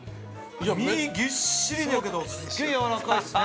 身、ぎっしりやけど、すげえやわらかいっすね。